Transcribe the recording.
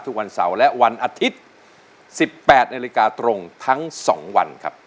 ทุกวันเสาร์และวันอาทิตย์๑๘นาฬิกาตรงทั้ง๒วันครับ